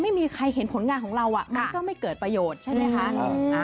ไม่มีใครเห็นผลงานของเรามันก็ไม่เกิดประโยชน์ใช่ไหมคะ